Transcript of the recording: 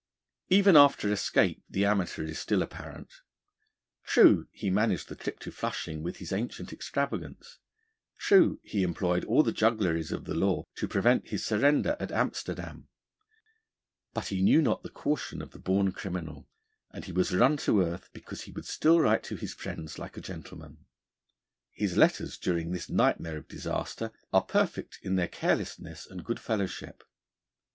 Even after escape, the amateur is still apparent. True, he managed the trip to Flushing with his ancient extravagance; true, he employed all the juggleries of the law to prevent his surrender at Amsterdam. But he knew not the caution of the born criminal, and he was run to earth, because he would still write to his friends like a gentleman. His letters, during this nightmare of disaster, are perfect in their carelessness and good fellowship.